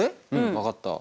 分かった。